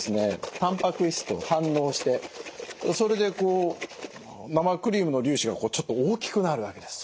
タンパク質と反応してそれでこう生クリームの粒子がちょっと大きくなるわけです。